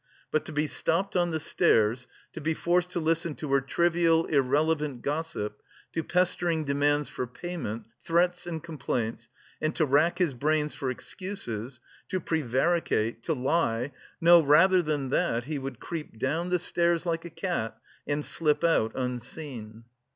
But to be stopped on the stairs, to be forced to listen to her trivial, irrelevant gossip, to pestering demands for payment, threats and complaints, and to rack his brains for excuses, to prevaricate, to lie no, rather than that, he would creep down the stairs like a cat and slip out unseen.